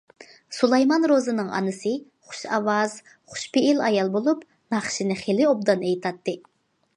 سۇلايمان روزىنىڭ ئانىسى خۇش ئاۋاز، خۇش پېئىل ئايال بولۇپ، ناخشىنى خېلى ئوبدان ئېيتاتتى.